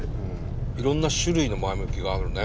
いろんな種類の前向きがあるね。